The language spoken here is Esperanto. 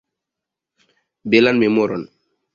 Belan memoron!